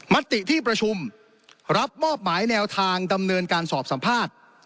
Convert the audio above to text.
มติที่ประชุมรับมอบหมายแนวทางดำเนินการสอบสัมภาษณ์